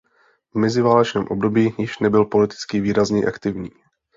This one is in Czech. V meziválečném období již nebyl politicky výrazněji aktivní.